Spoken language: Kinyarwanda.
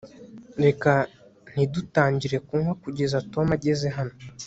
reka ntitutangire kunywa kugeza tom ageze hano